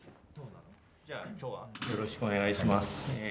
よろしくお願いします。